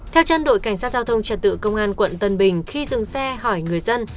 theo chân đội cảnh sát giao thông trật tự công an quận tân bình khi dừng xe hỏi người dân